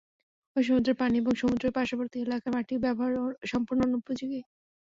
ঐ সমুদ্রের পানি ও সমুদ্রের পার্শ্ববর্তী এলাকার মাটি ব্যবহারের সম্পূর্ণ অনুপযোগী।